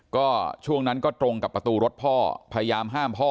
ก็ช่วงนั้นก็ตรงกับประตูรถพ่อพยายามห้ามพ่อ